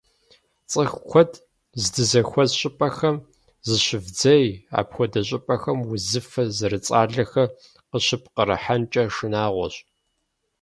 ЦӀыху куэд здызэхуэс щӀыпӀэхэм зыщывдзей, апхуэдэ щӀыпӀэхэм узыфэ зэрыцӏалэхэр къыщыппкъырыхьэнкӏэ шынагъуэщ.